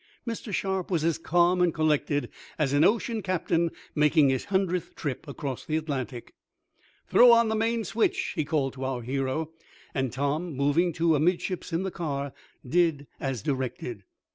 Mr. Sharp was as calm and collected as an ocean captain making his hundredth trip across the Atlantic. "Throw on the main switch," he called to our hero, and Tom, moving to amidships in the car, did as directed. Mr.